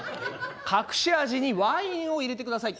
隠し味にワインを入れてください。